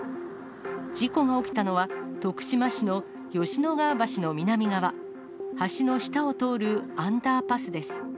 事故が起きたのは、徳島市の吉野川橋の南側、橋の下を通るアンダーパスです。